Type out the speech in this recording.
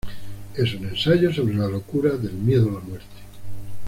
Es un ensayo sobre la locura del miedo a la muerte.